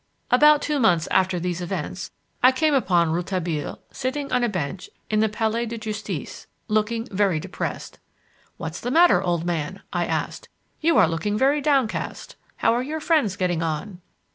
About two months after these events, I came upon Rouletabille sitting on a bench in the Palais de Justice, looking very depressed. "What's the matter, old man?" I asked. "You are looking very downcast. How are your friends getting on?"